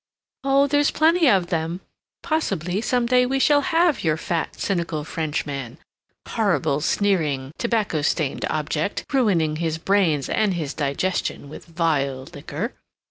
"Oh, there's plenty of them. Possibly some day we shall have your fat cynical Frenchman (horrible, sneering, tobacco stained object, ruining his brains and his digestion with vile liquor!)